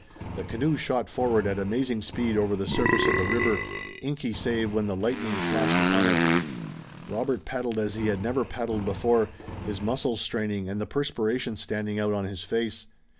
The canoe shot forward at amazing speed over the surface of the river, inky save when the lightning flashed upon it. Robert paddled as he had never paddled before, his muscles straining and the perspiration standing out on his face.